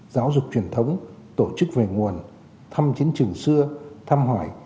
giáo dục truyền thống tổ chức về nguồn thăm chiến trường xưa thăm hỏi